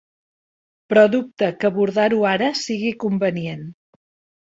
Però dubta que abordar-ho ara sigui convenient.